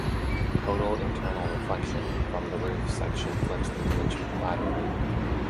Total internal reflection from the roof section flips the image laterally.